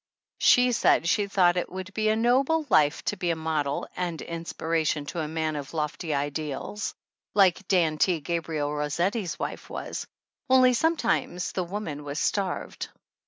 She said she thought it would be a noble life to be a model and inspiration to a man of lofty ideals like Dan T. Gabriel Rosetty's wife was, only sometimes the woman was starved.